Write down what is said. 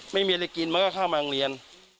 ไม่มีอะไรกินมันก็เข้ามาโรงเรียน